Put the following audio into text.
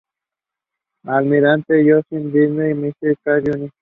Almirante John Sidney McCain Jr.